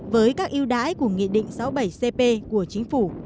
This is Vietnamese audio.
với các yêu đái của nghị định sáu mươi bảy cp của chính phủ